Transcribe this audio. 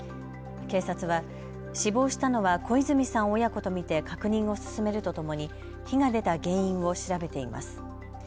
警察は死亡したのは小泉さん親子と見て確認を進めるとともに火が出た原因を調べています。